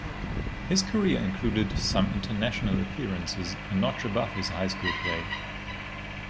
His career includes some international appearances a notch above his high school play.